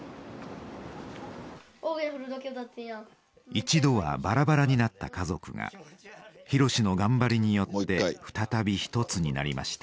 一度はバラバラになった家族が博のがんばりによって再び一つになりました。